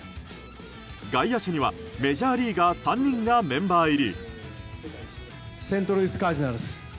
外野手にはメジャーリーガー３人がメンバー入り。